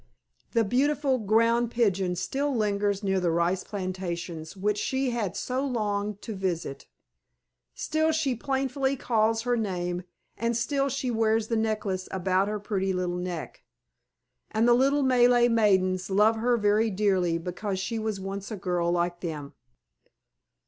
The beautiful Ground Pigeon still lingers near the rice plantations which she had so longed to visit. Still she plaintively calls her name, and still she wears the necklace about her pretty little neck. And the little Malay maidens love her very dearly because she was once a girl like them.